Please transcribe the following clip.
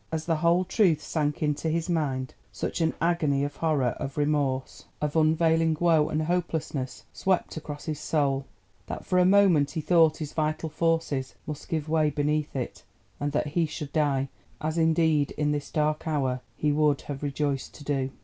As the whole truth sank into his mind, such an agony of horror, of remorse, of unavailing woe and hopelessness swept across his soul, that for a moment he thought his vital forces must give way beneath it, and that he should die, as indeed in this dark hour he would have rejoiced to do.